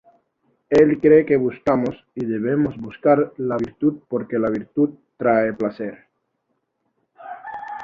Él cree que buscamos y debemos buscar la virtud porque la virtud trae placer.